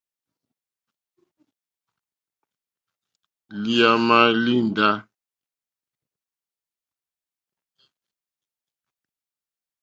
Lǐǃáámà líndǎ.